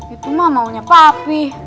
itu mah maunya papi